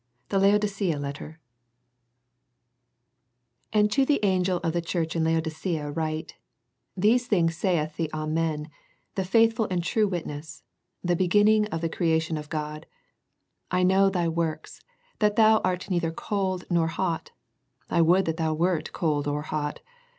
THE LAODICEA LETTER "And to the angel of the church in Laodicea write; " These things saith the Amen, the faithful and true witness, the beginning of the creation of God, I know thy works, that thou art neither cold nor hot: I would thou wert cold or hot.